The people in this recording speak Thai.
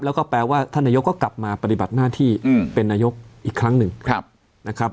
แล้วก็แปลว่าท่านนายกก็กลับมาปฏิบัติหน้าที่เป็นนายกอีกครั้งหนึ่งนะครับ